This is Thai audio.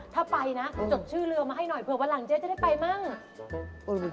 ถ้าไปนะจดชื่อเรือมาให้หน่อยเผื่อวันหลังเจ๊จะได้ไปมั่ง